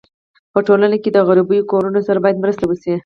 په ټولنه کي د غریبو کورنيو سره باید مرسته وسي.